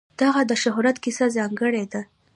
د هغه د شهرت کیسه ځانګړې ده.